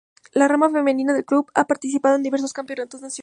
La rama femenina del club ha participado en diversos campeonatos nacionales.